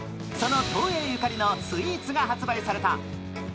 その東映ゆかりのスイーツが発売された。